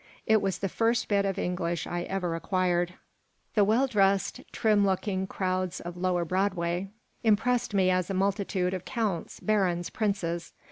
It was the first bit of English I ever acquired The well dressed, trim looking crowds of lower Broadway impressed me as a multitude of counts, barons, princes.